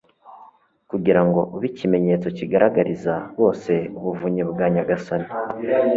kugira ngo ube ikimenyetso kigaragariza bose ubuvunyi bwa nyagasani